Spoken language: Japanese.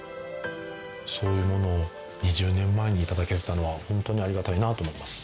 そういうものを２０年前にいただけてたのは本当にありがたいなと思います。